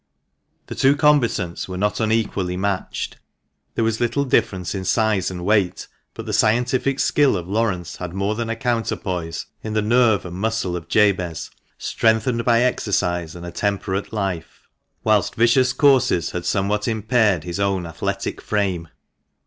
The two combatants were not unequally matched ; there was little difference in size and weight, but the scientific skill of Laurence had more than a counterpoise in the nerve and muscle of Jabez, strengthened by exercise and a temperate life, whilst vicious courses had somewhat impaired his own athletic frame.